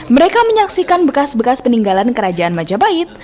mereka menyaksikan bekas bekas peninggalan kerajaan majapahit